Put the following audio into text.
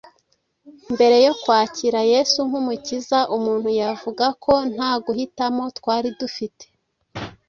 Mbere yo kwakira Yesu nk’umukiza umuntu yavuga ko nta guhitamo twari dufite.